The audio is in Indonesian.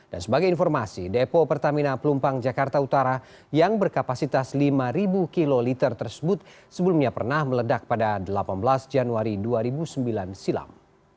dan sebagai informasi depo pertamina pelumpang jakarta utara yang berkapasitas lima ribu kiloliter tersebut sebelumnya pernah meledak pada delapan belas januari dua ribu sembilan silam